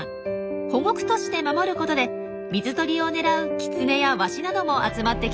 保護区として守ることで水鳥を狙うキツネやワシなども集まってきたんです。